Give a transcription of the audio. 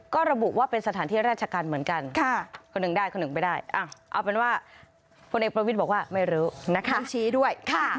ก็ระบุว่าเป็นสถานที่ราชการเหมือนกันคนหนึ่งได้คนหนึ่งไม่ได้เอาเป็นว่าพลเอกประวิทย์บอกว่าไม่รู้นะคะชี้ด้วย